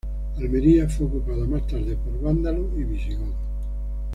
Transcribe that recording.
Almería fue ocupada más tarde por vándalos y visigodos.